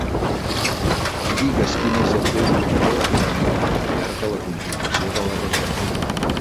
Digues quin és el teu correu electrònic per enviar-te la confirmació de la reserva.